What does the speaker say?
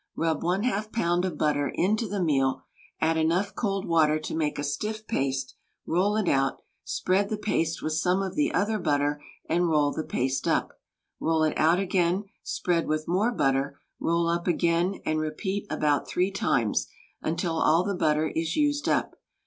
Rub 1/2 lb. of butter into the meal, add enough cold water to make a stiff paste, roll it out, spread the paste with some of the other butter, and roll the paste up; roll it out again, spread with more butter, roll up again and repeat about 3 times, until all the butter is used up.